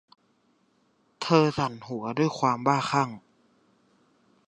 เธอสั่นหัว ด้วยความบ้าคลั่ง